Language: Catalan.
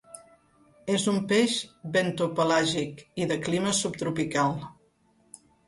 És un peix bentopelàgic i de clima subtropical.